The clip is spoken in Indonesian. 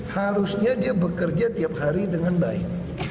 harusnya dia bekerja tiap hari dengan baik